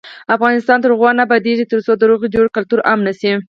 افغانستان تر هغو نه ابادیږي، ترڅو د روغې جوړې کلتور عام نشي.